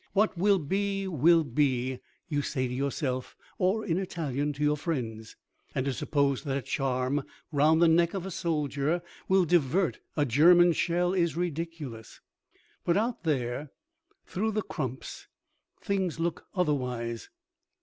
"What will be, will be," you say to yourself (or in Italian to your friends), "and to suppose that a charm round the neck of a soldier will divert a German shell is ridiculous." But out there, through the crumps, things look otherwise.